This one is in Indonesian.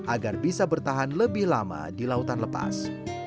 agar bisa bertahan lebih lama di lautan lepas